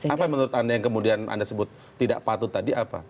apa yang menurut anda yang kemudian anda sebut tidak patut tadi apa